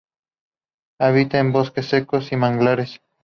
Habita en bosques secos y manglares.